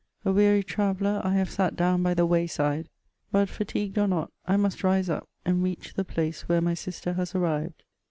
A weary traveller, I have sat down by the way side ; but fatigued, or not, I must rise up and reach the place wh^re my sister has arrived.